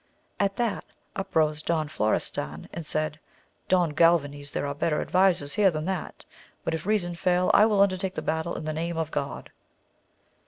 At that uprose Don Florestan, and said, Don Galvanes, there are better advisers here than I, but if reason fail I will imdertake the battle in the name of God.